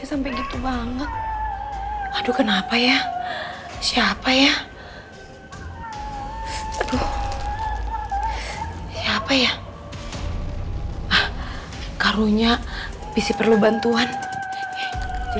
terus semangat ini mandemi anak anak hehehe hehehe